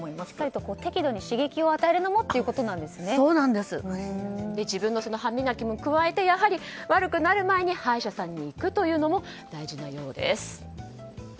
しっかりと適度に刺激を与えることも自分の歯磨きも加えて、やはり悪くなる前に歯医者さんに行くというのも大事なようです。